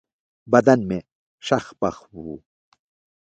بدن مې شخ پخ و.